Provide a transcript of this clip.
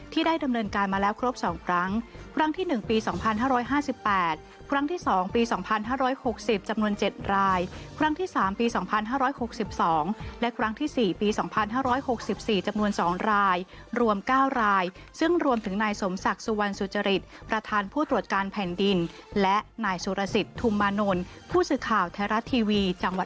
ที่ได้ดำเนินการมาแล้วครบสองครั้งครั้งที่หนึ่งปีสองพันห้าร้อยห้าสิบแปดครั้งที่สองปีสองพันห้าร้อยหกสิบจำนวนเจ็ดรายครั้งที่สามปีสองพันห้าร้อยหกสิบสองและครั้งที่สี่ปีสองพันห้าร้อยหกสิบสี่จำนวนสองรายรวมเก้ารายซึ่งรวมถึงนายสมศักดิ์สุวรรณสุจริตประธานผู้ตรวจการแผ่นดินและนายสุรสิ